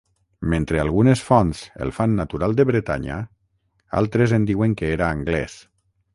Mentre algunes fonts el fan natural de Bretanya, altres en diuen que era anglès.